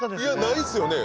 ないっすよね。